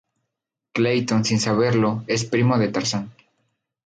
Clayton sin saberlo es primo de Tarzán.